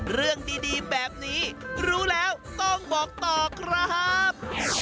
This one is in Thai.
เรื่องดีแบบนี้รู้แล้วต้องบอกต่อครับ